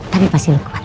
tapi pasti anda kuat